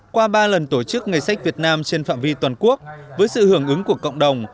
qua ba lần tổ chức ngày sách việt nam trên phạm vi toàn quốc với sự hưởng ứng của cộng đồng